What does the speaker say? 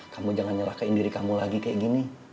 kamu jangan nyerahkan diri kamu lagi kayak gini